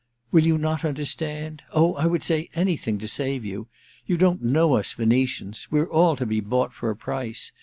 * Will you not understand ? Oh, I would say anything to save you ! You don't know us Venetians — we're all to be bought for a price.